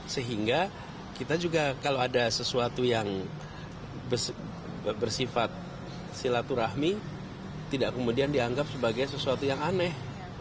sehingga kita juga kalau ada sesuatu yang bersifat silaturahmi tidak kemudian dianggap sebagai sesuatu yang aneh